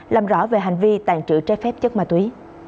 làm rõ về hành vi tàn trữ trái phép chất ma túy